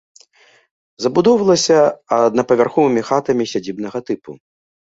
Забудоўвалася аднапавярховымі хатамі сядзібнага тыпу.